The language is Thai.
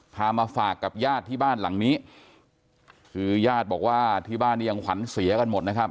มาฝากกับญาติที่บ้านหลังนี้คือญาติบอกว่าที่บ้านนี้ยังขวัญเสียกันหมดนะครับ